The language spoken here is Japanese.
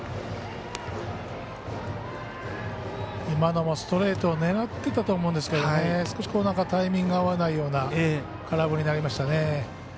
今のもストレートを狙ってたと思うんですが少しタイミングが合わないような空振りになりましたね。